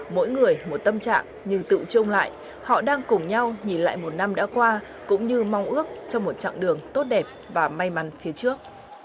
mỗi người một tâm trạng như tự trung lại họ đang cùng nhau nhìn lại một năm đã qua cũng như mong ước cho một chặng đường tốt đẹp và may mắn phía trước